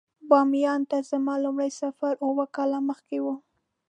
باميان ته زما لومړی سفر اووه کاله مخکې و.